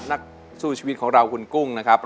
นักสู้ชีวิตของเราคุณกุ้งนะครับ